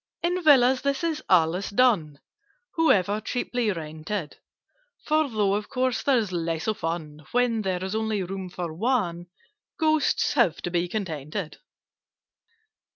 "In Villas this is always done— However cheaply rented: For, though of course there's less of fun When there is only room for one, Ghosts have to be contented.